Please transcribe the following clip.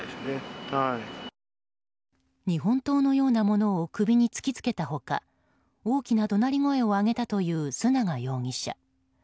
日本刀のようなものを首に突き付けたほか大きな怒鳴り声を上げたという須永容疑者。